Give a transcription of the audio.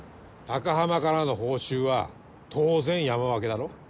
高濱からの報酬は当然山分けだろ？